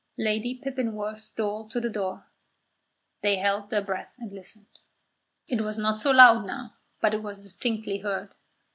Lady Pippinworth stole to the door. They held their breath and listened. It was not so loud now, but it was distinctly heard.